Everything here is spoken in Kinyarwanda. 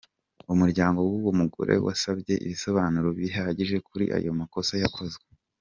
Umuryango w’uwo mugore wasabye ibisobanuro bihagije kuri ayo makosa yakozwe.